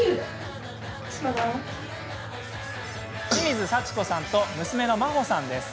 清水幸子さんと娘の麻帆さんです。